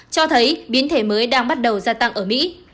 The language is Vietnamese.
cho thấy biến thể mới đang bắt đầu gia tăng ở mỹ